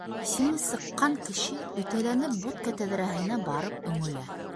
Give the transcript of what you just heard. Исеме сыҡҡан кеше өтәләнеп будка тәҙрәһенә барып өңөлә.